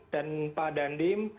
dan pak dandi